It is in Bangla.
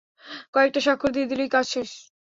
কয়েকটা স্বাক্ষর দিয়ে দিলেই কাজ শেষ।